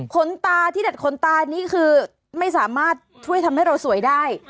ขนตาที่ดัดขนตานี่คือไม่สามารถช่วยทำให้เราสวยได้